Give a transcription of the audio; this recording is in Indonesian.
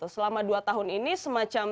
selama dua tahun ini semacam